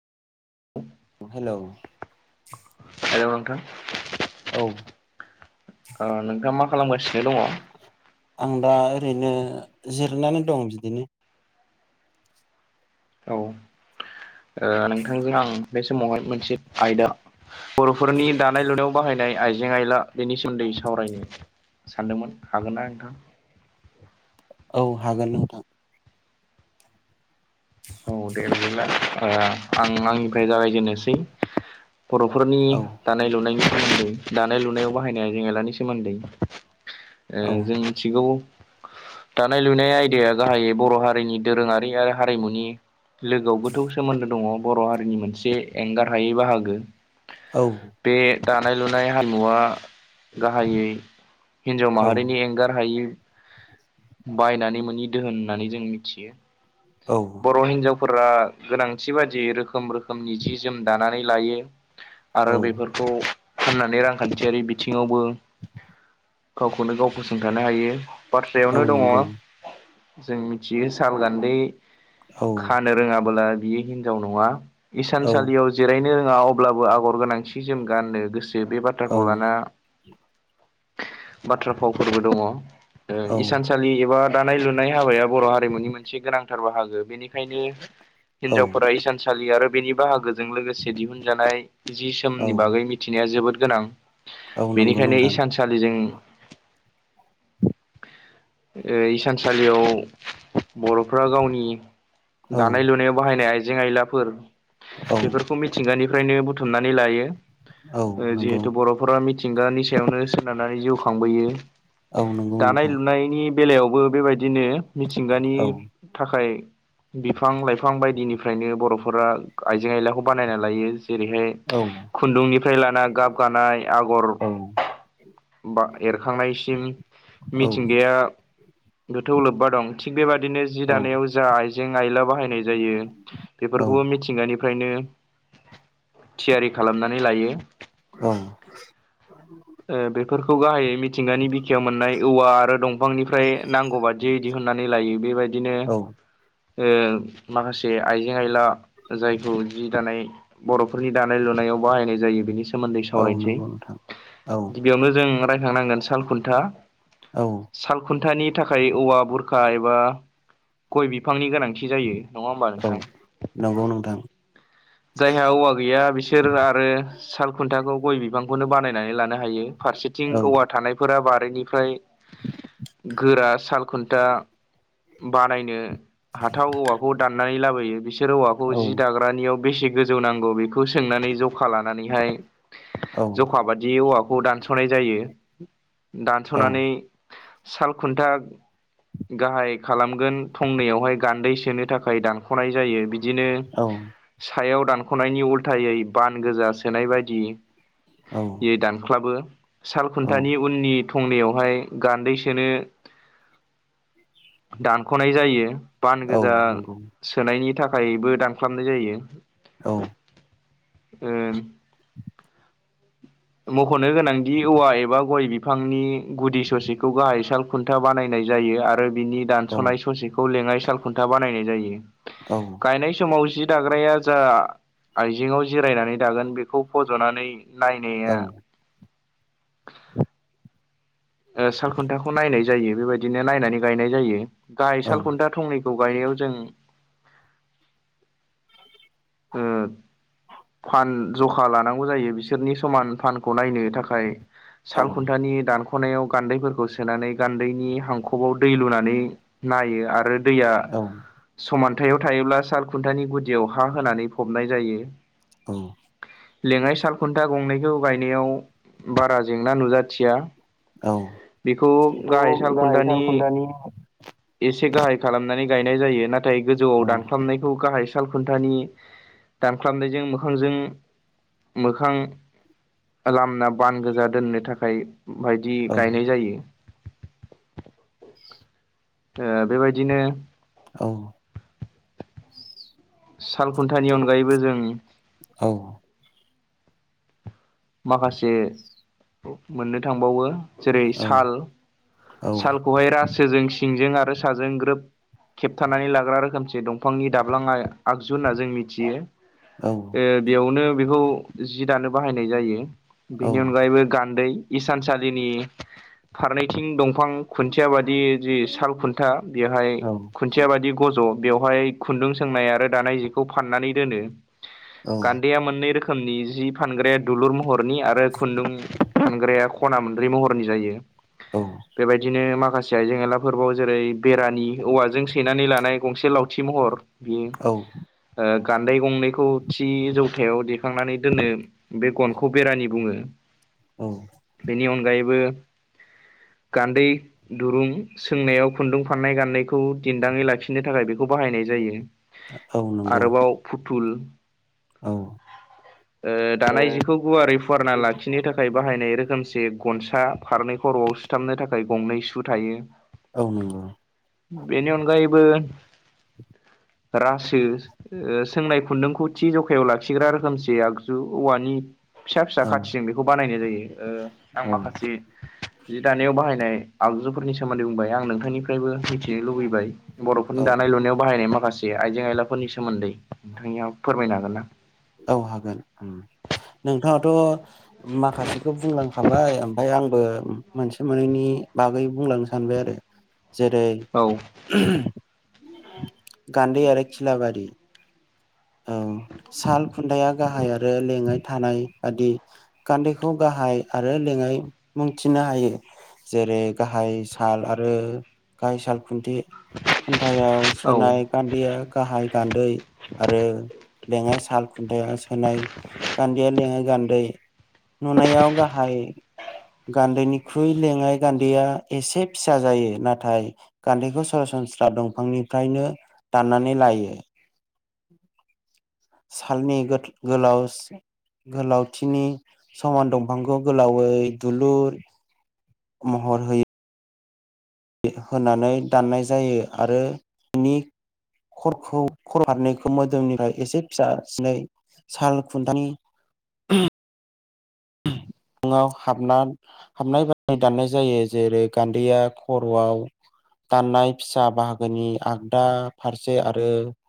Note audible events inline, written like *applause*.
Hello hello नोंथां औ ओ नोंथाङा मा खालामगासिनो दङ? आं दा ओरैनो जिरायनानै दं बिदिनो औ ओ नोंथांजों आं बे समावहाय मोनसे आयदा बर'फोरनि दानाय लुनायाव बाहायनाय आइजें आइला बेनि सोमोन्दै सावरायनो सानदोंमोन हागोना नोंथां? औ हागोन नोंथां। औ दे ओमबोला ओ आं आंनिफ्राय जागायजेननोसै बर'फोरनि औ दानाय लुनायनि सोमोन्दै दानाय लुनायाव बाहायनाय आइजें आइलानि सोमोन्दै ओ औ जों मिथिगौ दानाय लुनाय आयदाया गाहायै बर' हारिनि दोरोङारि आरो हारिमुनि लोगोआवबोथ' सोमोन्दो दङ बर' हारिनि मोनसे एंगार हायै बाहागो। औ बे दानाय लुनाय हारिमुवा गाहायै हिनजाव औ माहारिनि एंगार हायो बायनानै मोनि दोहोन होननानै जों मिथियो। औ बर' हिनजावफोरा गोनांथि बादि रोखोम रोखोमनि जि जोम दानानै लायो। आरो औ बेफोरखौ फाननानै रांखान्थियारि बिथिङावबो गावखौनो गाव फसंथानो हायो औ बाथ्रायावनो दङ। नंगौ जों मिथियो साल गान्दै औ खानो रोङाबोला बियो हिनजाव नङा औ इसानसालियाव जिरायनो रोङा अब्लाबो आगर गोनां सि जोम गाननो गोसो बे औ बाथ्राखौ लाना बाथ्रा फावफोरबो दङ ओ इसान सालि एबा दानाय लुनाय हाबाया बर' हारिमुनि मोनसे गोनांथार बाहागो बेनि बेखायनो औ हिनजावफोरा इसानसालि आरो बेनि बाहागो जों लोगोसे दिहुनजानाय जि औ सोमनि बागै मिथिनाया जोबोद गोनां। औ नंगौ बेनिखायनो नोंथां इसानसालिजों ओ इसानसालियाव बर'फ्रा गावनि औ दानाय लुनायाव बाहायनाय आइजें आयलाफोर औ बेफोर खौ मिथिंगानिफ्रायनो बुथुमनानै लायो औ ओ नंगौ जिहेथु बर' नखरा मिथिंगानि सायावनो सोनारनानै जिउ खांबोयो औ नंगौ नोंथां दानाय लुनायनि बेलायावबो बेबायदिनो मिथिंगानि औ थाखाय बिफां लाइफां बायदिनिफ्रायनो बर'फोरा आइजें आइलाखौ बानायना लायो जेरैहाय औ खुन्दुंनिफ्राय लाना गाब गानाय आगर औ बा एरखांनायसिम औ मिथिंगाया गोथौ लोब्बा दं थिग बेबादिनो जि औ दानायाव जा आइजें आइला बाहायनाय जायो औ बेफोरखौबो मि थिंगानिफ्रायनो थियारि खालामनानै लायो। औ ओ बेफोरखौ गाहायै मि थिंगानि बिखायाव मोननाय औवा आरो दंफांनिफ्राय नांगौ बादियै दिहुननानै लायो बेबायदिनो औ ओ माखासे आइजें आयला जायखौ जि दानाय बर'फोरनि दानाय लुनायाव बाहायनाय जायो बेनि सो औ नंगौ नोंथां औ गिबियावनो जों रायखांनांगोन साल खुन्था औ साल खुन्थानि थाखाय औवा बुरखा एबा गय बिफांनि गोनांथि जायो। नङा होमबा औ नोंथां नंगौ नोंथां। *inaudible* जायहा औवा गैया बिसोर आरो साल खुन्थाखौ गय बिफांखौनो बानायनानै लानो हायो फारसेथिं औ औवा थानायफोरा बारिनिफ्राय गोरा सालखुन्था बानायनो हाथाव औवाखौ दाननानै लाबोयो बिसोर औवाखौ औ जि दा ग्रानियाव बेसे गोजौ नांगौ बेखौ सोंनानै जखा लानानैहाय औ जखा बादियै औवाखौ दानस'नाय जायो दानस'नानै साल खुन्था गाहाय खालामगोन फंनैयावहाय गान्दै सोनो थाखाय दानख'नाय जायो बिदि बिदिनो औ सायाव दानख'नायनि उल्थायै बान गोजा सोनाय बायदि औ दानख्लाबो साल औ खुन्थानि उननि थंनैयावहाय गान्दै सोनो दानख'नाय जायो। बान औ गोजा नंगौ सोनायनि थाखायबो दानख्लाबनाय जायो। औ ओम मख'नो गोनांदि औवा एबा गय बिफांनि गुदि ससेखौ गाहाय साल साल खुन्था बानायनाय जायो आरो बिनि औ दानस'नाय ससेखौ लेङाइ सालखुन्था बानायनाय जायो। औ गायनाय समाव जि दाग्राया जा आइजेंङाव जिरायनानै दागोन बेखौ फज'नानै औ नायनाया ओ सालखुन्थाखौ नायनाय जायो बेबायदिनो नायनानै गायनाय जायो गाहाय औ सालखुन्था थंनै खौ गायनायाव जों ओ फान जखा लानांगौ जायो बिसोरनि समान फानखौ नायनो थाखाय। सालखुन्थानि दान खनायाव गान्दैफोरखौ सोनानै गान्दैनि हांखबाव दै लुनानै नायो आरो दैया औ समानथायाव थायोब्ला साल खुन्थानि गुदियाव हा होनानै फबनाय जायो। औ लेङाइ साल खुन्था गंनैखौ गायनायाव बारा जेंना नुजाथिया। औ बेखौ गाहाय साल खुन्थानि एसे गाहाय खालामनानै गायनाय जायो नाथाय गोजौआव औ दानख्लाबनायखौ गाहाय साल खुन्थानि दानख्लाबनायजों मोखांजों मोखां लामना बान गोजा दोननो थाखाय बायदि औ गायनाय जायो। ओ बेबायदिनो औ साल खुन्थानि अनगायैबो जों औ माखासे मोननो थांबावो जेरै औ साल औ सालखौहाय रासोजों सिंजों आरो साजों ग्रोब खेबथानानै लाग्रा रोखोमसे दंफांनि दाब्लाङा आगजु होनना जों मिथियो। औ ओ बेयावनो बेखौ जि दानो बाहायनाय जायो औ बेनि अनगायैबो गान्दै इसानसालिनि फारनैथिं दंफां खुन्थिया बादि जि साल खुन था बेहाय औ खुन थिया बादि गज' बेवहाय खुन्दुं सोंनाय आरो दानाय जिखौ फाननानै दोनो। गान्देया मोननै रोखोमनि जि फानग्राया दुलुर महरनि आरो खुन्दुं थुनग्राया खना मोनब्रै महरनि जायो बेबायदिनो माखासे थिइ जेंला आयला फोरबोवाव जेरै बेरानि औवाजों सैनानै लानाय गंसे लावथि महर बि औ ओ गान्दै गंनैखौ थि जौथायाव दैेखांनानै दोननो। बे गनखौ बेरानि बुङो। औ बेनि अनगायैबो गान्दै दुरुं सोंनायाव खुन्दुं फाननाय गानदायखौ दिनन्दाङै लाखिनो थाखाय बेखौ बाहायनाय जायो। औ नंगौ आरोबाव फुथुल औ ओ दानाय जिखौ गुवारै फुवारना लाखिनो थाखाय बाहायनाय रोखोमसे गनसा फारनै खर'आव सुथाबनो थाखाय गंनै सु थायो। औ नंगौ बेनि अनगायैबो रासो ओ सोंनाय खुन्दुंखौ थि जखायाव लाखिग्रा रोखोमसे आगजु। औवानि फिसा फिसा औ खाथिजों बेखौ बानायनाय जायो ओ आं औ माखासे जि दानायाव बाहायनाय आगजुफोरनि सोमोन्दै बुंबाय आं नोंथांनिफ्रायबो मिथिनो लुबैबाय। बर'फोरनि दानाय औ लुनायाव बाहायनाय माखासे आइजें आयलाफोरनि सोमोन्दै नोंथांनिया फोरमायनो हागोन ना? औ हागोन नोंथांङाथ' माखासेखौ बुंलांखाबाय ओमफाय आंबो मोनसे मोननैनि बागै बुंलांनो सानबाय आरो जेरै औ *inaudible* गान्दै आरो खिलाबारि साल खुनथाया गाहाय आरो लेङाइ थानाय बादि गान्दैखौ गाहाय आरो लेङाइ मुंथिनो हायो। जेरै गाहाय साल आरो गाहाय साल खुन्थि खुन्थायाव औ सोनाय गान्दैया गाहाय गान्दै आरो लेङाइ साल खुन्थाया सोनाय गान्दैया लेङाइ गान्दै। नुनायाव गाहाय गान्दैनिख्रुइ लेङाय गान्दैया एसे फिसा जायो नाथाय गान्थैखौ सरासनस्रा दंफांनिफ्रायनो दाननानै लायो। सालनि गोलाव गोलावथिनि समान दंफांखौ गोलावै दुलुर महर होयो। होनानै दाननाय जायो आरो बिनि खरखौ खारनायखौ मोदोमनिफ्राय एसे फिसा सिनै साल खुन्थानि फुंङाव हाबना हाबनाय बनाय दाननाय जायो जेरै गान्दैया खर'आव दाननाय फिसा बाहागोनि आगदा फारसे आरो